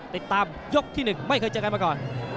ติดตามยกที่๑ไม่เคยเจอกันมาก่อน